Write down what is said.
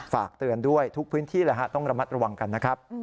ฝากเตือนด้วยทุกพื้นที่ต้องระมัดระวังกันนะครับ